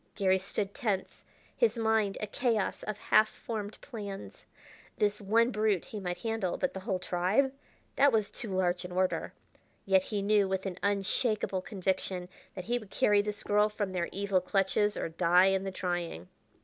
Garry stood tense, his mind a chaos of half formed plans. This one brute he might handle, but the whole tribe that was too large an order. Yet he knew with an unshakable conviction that he would carry this girl from their evil clutches or die in the trying.